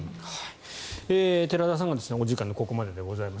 寺田さんはお時間ここまででございます。